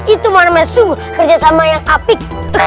itu mana masuk kerjasama yang apik